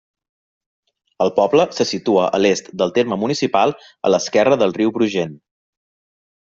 El poble se situa a l'est del terme municipal a l'esquerra del riu Brugent.